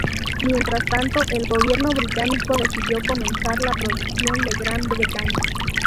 Mientras tanto, el gobierno británico decidió comenzar la producción en Gran Bretaña.